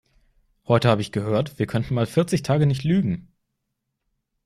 Heute habe ich gehört, wir könnten mal vierzig Tage nicht lügen.